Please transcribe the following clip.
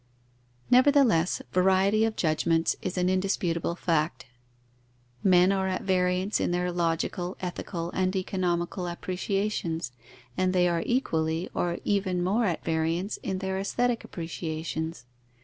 _ Nevertheless, variety of judgments is an indisputable fact. Men are at variance in their logical, ethical, and economical appreciations; and they are equally, or even more at variance in their aesthetic appreciations.